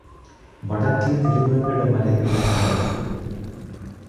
வடக்கே திருவேங்கட மலை இருக்கின்றது.